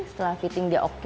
setelah fitting dia oke